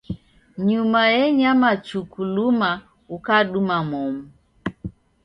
Nyuma enyama chuku luma ukaduma momu.